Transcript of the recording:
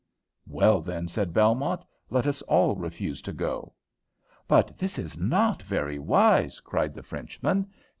"Well, then," said Belmont, "let us all refuse to go." "But this is not very wise," cried the Frenchman.